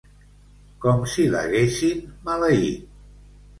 Com si l'haguessin maleït.